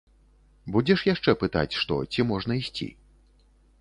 Будзеш яшчэ пытаць што, ці можна ісці?